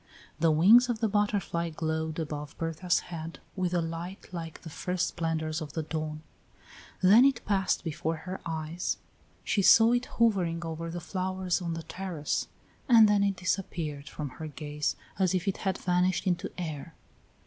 The wings of the butterfly glowed above Bertha's head with a light like the first splendors of the dawn. Then it passed before her eyes, she saw it hovering over the flowers on the terrace, and then it disappeared from her gaze as if it had vanished into air.